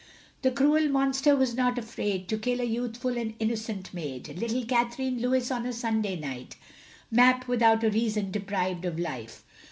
The cruel monster was not afraid, To kill a youthful and innocent maid. Little Catherine Lewis on a Sunday night, Mapp, without a reason, deprived of life.